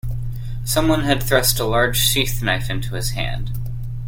Some one had thrust a large sheath-knife into his hand.